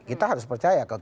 kita harus percaya